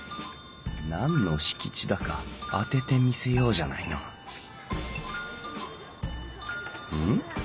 何の敷地だか当ててみせようじゃないのん？